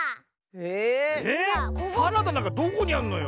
ええっ⁉サラダなんかどこにあんのよ？